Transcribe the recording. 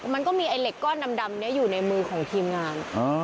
มันก็มีไอ้เหล็กก้อนดำนี้อยู่ในมือของทีมงาน